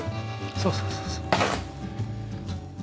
そうそうそうそう。